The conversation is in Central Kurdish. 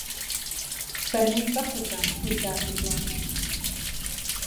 فەرمووی بە قوربان ئەو زاتە جوانە